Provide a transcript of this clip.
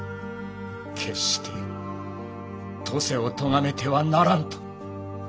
決して登勢を咎めてはならんと。